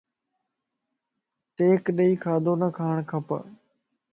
ٽيڪ ڏيئ کاڌو نھ کاڻ کپا